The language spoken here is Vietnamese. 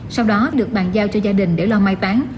sau đó được bàn giao cho gia đình để lo mai tán